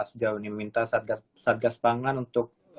sejauh ini meminta satgas pangan untuk